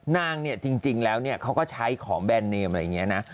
นางเนี่ยจริงแล้วเขาก็ใช้ของแบรนดเนมอะไรอย่างนี้นะ